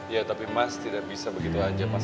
ya tapi mas tidak bisa begitu aja mas